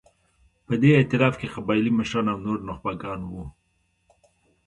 په دې اېتلاف کې قبایلي مشران او نور نخبګان وو.